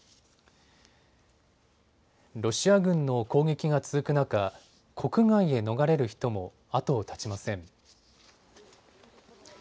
ロシア軍の攻撃が続く中、国外へ逃れる人も後を絶ちません。